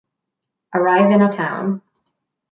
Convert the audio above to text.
Arrive in a town.